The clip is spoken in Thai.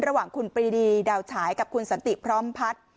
ระหว่างคุณปรีดีดาวฉายกับคุณสันติพร้อมพัฒน์